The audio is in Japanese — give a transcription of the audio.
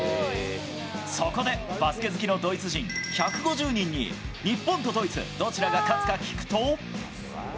そこで、バスケ好きのドイツ人１５０人に、日本とドイツどちらが勝つか聞くと。